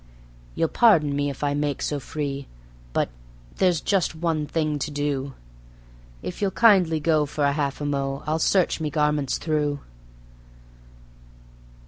You'll pardon me if I make so free, but there's just one thing to do: If you'll kindly go for a half a mo' I'll search me garments through."